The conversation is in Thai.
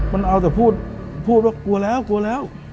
มันเอาแต่พูดพูดว่ากลัวแล้วกลัวแล้ว